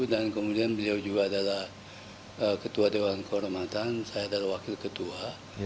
dan kemudian beliau juga adalah ketua dewan kehormatan saya adalah wakil ketua